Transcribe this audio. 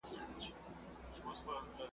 ما د خون او قتل تخم دئ كرلى .